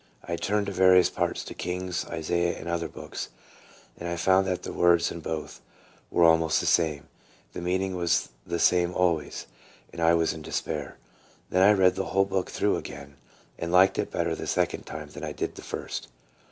I turned to various parts, to Kings, Isaiah, and other books, and I found that the words in both were almost the same, the meaning was the same always, and I was in despair. Then I read the whole book through again, and liked it better the second time than I did the first.